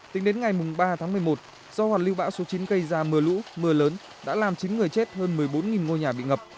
tính đến ngày ba tháng một mươi một do hoàn lưu bão số chín gây ra mưa lũ mưa lớn đã làm chín người chết hơn một mươi bốn ngôi nhà bị ngập